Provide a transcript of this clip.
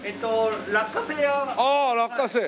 落花生屋。